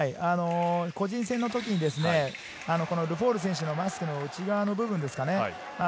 個人戦の時に、ルフォール選手のマスクの内側の部分ですかね。